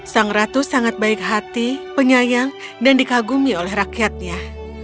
sang ratu sangat baik hati penyayang dan dikagumi oleh rakyatnya